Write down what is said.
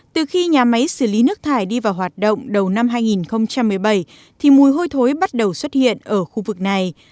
từ khi nhà máy xử lý nước thải đi vào hoạt động đầu năm hai nghìn một mươi bảy thì mùi hôi thối bắt đầu xuất hiện ở khu vực này